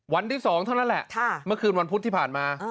วันที่๒เท่านั้นแหละเมื่อคืนวันพุธที่ผ่านมา